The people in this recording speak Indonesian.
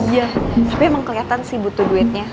iya tapi emang kelihatan sih butuh duitnya